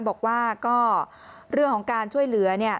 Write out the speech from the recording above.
บอกว่าก็เรื่องของการช่วยเหลือ